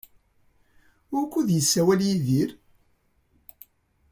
Wukud yessawel Yidir?